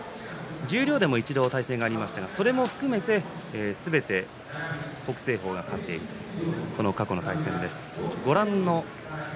十両でも一度対戦がありましたがそれも含めてすべて北青鵬が勝っているという過去の対戦です。